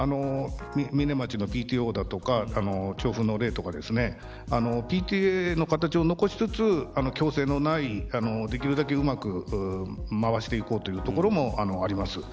嶺町のＰＴＯだとか調布の例だとかＰＴＡの形を残しつつ強制のない、できるだけうまく回していこうというところもあります。